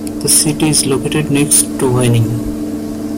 The city is located next to Vining.